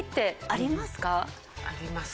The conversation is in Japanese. あります。